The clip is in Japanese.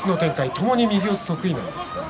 ともに右四つ得意の力士。